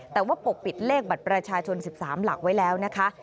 แต่ว่าปกปิดเลขบัตรประชาชน๑๓หลักไว้แล้วนะคะ